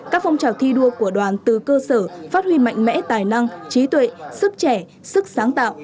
các phong trào thi đua của đoàn từ cơ sở phát huy mạnh mẽ tài năng trí tuệ sức trẻ sức sáng tạo